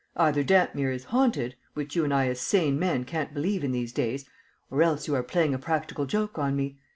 Either Dampmere is haunted, which you and I as sane men can't believe in these days, or else you are playing a practical joke on me.